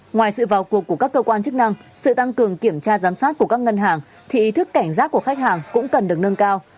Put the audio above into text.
ngoài sự vào cuộc của các cơ quan chức năng sự tăng cường kiểm tra giám sát của các ngân hàng thì ý thức cảnh giác của khách hàng cũng cần được nâng cao